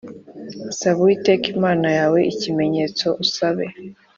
Saba Uwiteka Imana yawe ikimenyetso usabe